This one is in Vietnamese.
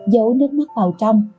giấu nước mắt vào trong